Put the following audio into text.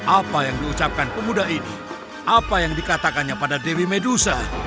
apa yang diucapkan pemuda ini apa yang dikatakannya pada dewi medusa